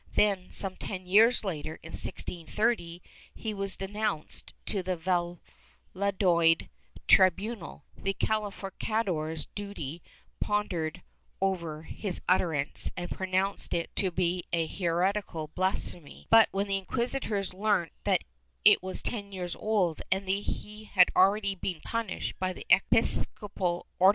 Then, some ten years later, in 1630, he was denounced to the Valladolid tribunal; the calificadores duly pondered over his utterance and pronounced it to be an heretical blasphemy, but, when the inquisi tors learned that it was ten years old, and that he had already been punished by the episcopal Ordinary, they wisely suspended the case.